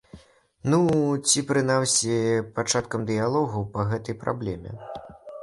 Ну ці прынамсі пачаткам дыялогу па гэтай праблеме.